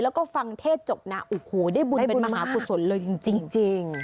แล้วก็ฟังเทศจบนะโอ้โหได้บุญเป็นมหากุศลเลยจริง